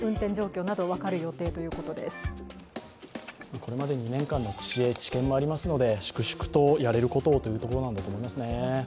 これまで２年間の知恵知見もありますので粛々とやれることをということなんだろうと思いますね。